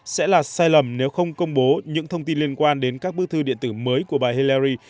sẽ là sai lầm nếu không công bố những thông tin liên quan đến các bức thư điện tử mới của bà helry